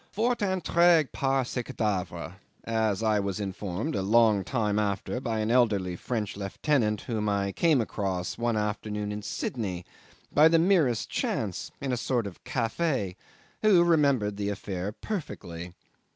"Fort intrigues par ce cadavre," as I was informed a long time after by an elderly French lieutenant whom I came across one afternoon in Sydney, by the merest chance, in a sort of cafe, and who remembered the affair perfectly.